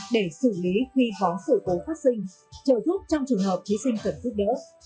để xử lý khi có sự cố phát sinh trợ giúp trong trường hợp thí sinh cần giúp đỡ